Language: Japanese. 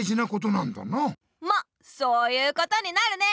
まっそういうことになるね。